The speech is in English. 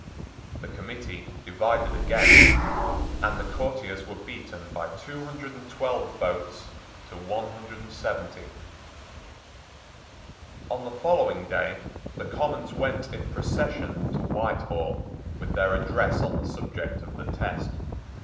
The committee divided again, and the courtiers were beaten by two hundred and twelve votes to one hundred and seventy. On the following day the Commons went in procession to Whitehall with their address on the subject of the test.